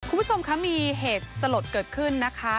คุณผู้ชมคะมีเหตุสลดเกิดขึ้นนะคะ